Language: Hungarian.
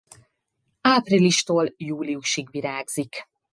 Áprilistól júliusig virágzik.